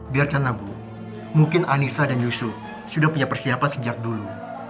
biarkanlah bu mungkin anissa dan yusuf sudah punya persiapan sejak dulu